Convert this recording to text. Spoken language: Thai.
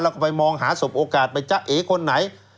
แล้วก็ไปมองหาสบโอกาสไปจ๊ะเอคนไหน